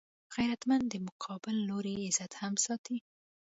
غیرتمند د مقابل لوري عزت هم ساتي